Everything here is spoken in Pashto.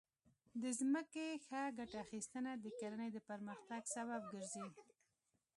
د ځمکې ښه ګټه اخیستنه د کرنې د پرمختګ سبب ګرځي.